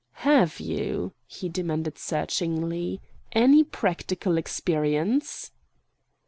"Have you," he demanded searchingly, "any practical experience?"